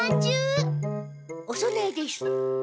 おそなえです。